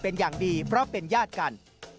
เป็นอย่างดีเพราะเป็นญาติกัน